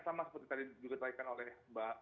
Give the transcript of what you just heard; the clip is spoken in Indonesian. sama seperti tadi juga diterikan oleh